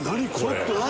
ちょっと何？